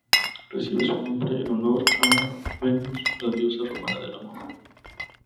Recibe su nombre en honor a Venus, la diosa romana del amor.